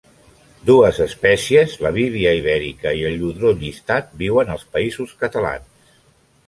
Dues espècies, la bívia ibèrica i el lludrió llistat, viuen als Països Catalans.